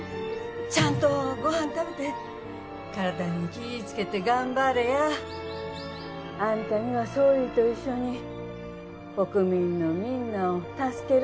ちゃんとごはん食べて体に気いつけて頑張れやあんたには総理と一緒に国民のみんなを助ける